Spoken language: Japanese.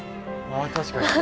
あ確かに。